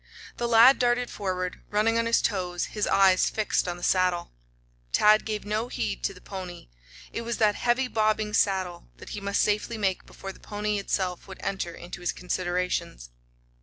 The lad darted forward, running on his toes, his eyes fixed on the saddle. Tad gave no heed to the pony. It was that heavy bobbing saddle that he must safely make before the pony itself would enter into his considerations.